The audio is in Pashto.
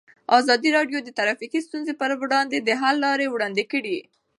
ازادي راډیو د ټرافیکي ستونزې پر وړاندې د حل لارې وړاندې کړي.